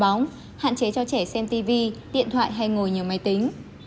không hạn chế cho trẻ xem tv điện thoại hay ngồi nhờ máy tính